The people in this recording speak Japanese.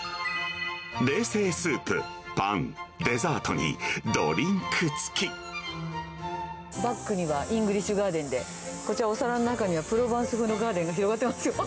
冷製スープ、パン、バックにはイングリッシュガーデンで、こちら、お皿の中にはプロバンス風のガーデンが広がってますよ。